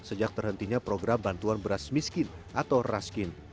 sejak terhentinya program bantuan beras miskin atau raskin